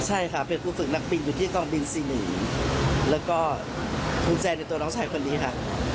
ใช่ค่ะเป็นผู้ฝึกนักบินอยู่ที่กองบิน๔๑แล้วก็กุญแจในตัวน้องชายคนนี้ค่ะ